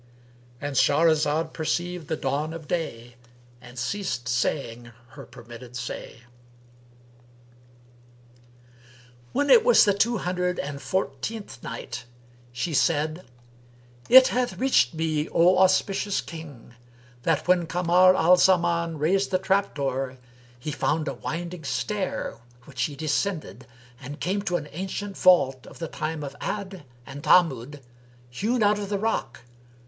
—And Shahrazad perceived the dawn of day and ceased saying her permitted say. When It was the Two Hundred and Fourteenth Night, She said, It hath reached me, O auspicious King, that when Kamar al Zaman raised the trap door, he found a winding stair, which he descended and came to an ancient vault of the time of Ad and Thamúd,[FN#330] hewn out of the rock.